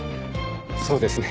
そうですね。